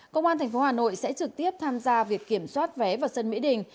công an tp hà nội sẽ trực tiếp tham gia việc kiểm soát vé vào sân mỹ đình